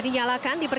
saya akan ganti dia